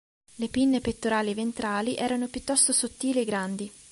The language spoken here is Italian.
Le pinne pettorali e ventrali erano piuttosto sottili e grandi.